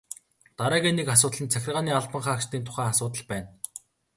Дараагийн нэг асуудал нь захиргааны албан хаагчдын тухай асуудал байна.